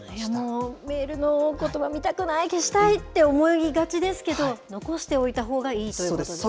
もうメールのことば見たくない、消したいって思いがちですけど、残しておいたほうがいいということですね。